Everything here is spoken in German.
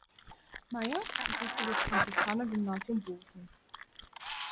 Mayr besuchte das Franziskanergymnasium Bozen.